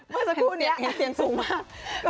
เมื่อสักครู่นี้เห็นเสียงสูงมาก